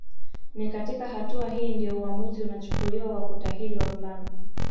Ni katika hatua hii ndio uamuzi unachukuliwa wa kutahiri wavulana